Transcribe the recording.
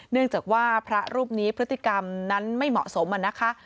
เนื่องจากว่าพระรูปนี้พฤติกรรมนั้นไม่เหมาะสมนะคะ